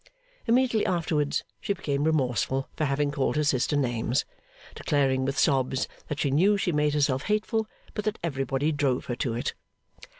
Immediately afterwards, she became remorseful for having called her sister names; declaring with sobs that she knew she made herself hateful, but that everybody drove her to it.